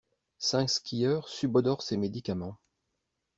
Cinq skieurs subodorent ces médicaments.